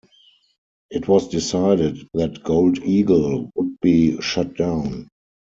It was decided that Gold Eagle would be shut down.